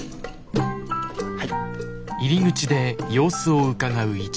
はい。